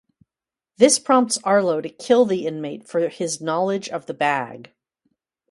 This prompts Arlo to kill the inmate for his knowledge of the bag.